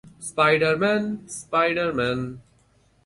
Spider Man, Spider Man.